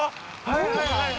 はい